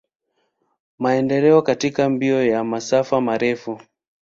Maendeleo katika mbio ya masafa marefu.